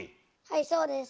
はいそうです。